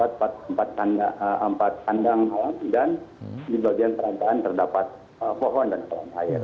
di empat kandang alam dan di bagian perantahan terdapat pohon dan pohon air